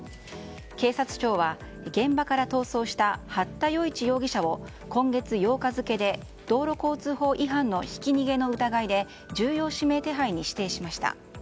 警察庁は、現場から逃走した八田与一容疑者を今月８日付で道路交通法違反のひき逃げの疑いで重要指名手配に指定しました。